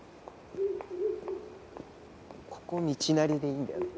ここ道なりでいいんだよね？